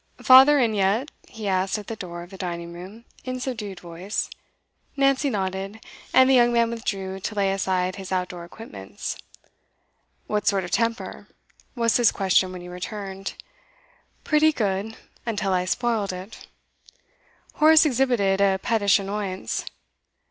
'Father in yet?' he asked at the door of the dining room, in subdued voice. Nancy nodded, and the young man withdrew to lay aside his outdoor equipments. 'What sort of temper?' was his question when he returned. 'Pretty good until I spoilt it.' Horace exhibited a pettish annoyance.